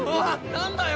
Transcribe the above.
何だよ